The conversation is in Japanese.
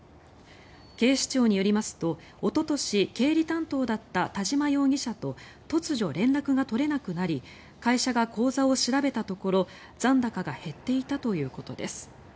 警視庁によりますと、おととし経理担当だった田嶋容疑者と突如、連絡が取れなくなり会社が口座を調べたところ残高が減っていたということです。